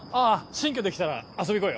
新居出来たら遊びに来いよ。